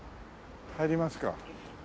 入りますか。